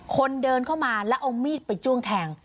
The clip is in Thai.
คนเดินเข้ามาแล้วเอามีดไปจ้วงแทง